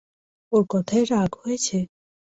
ওর কথায় রাগ হয়েছে?